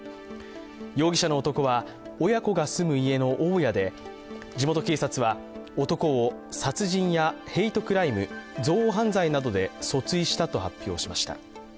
容疑者の男は親子が住む家の大家で地元警察は男を殺人やヘイトクライム＝憎悪犯罪などで訴追したと発表しました。